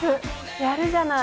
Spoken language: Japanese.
やるじゃない。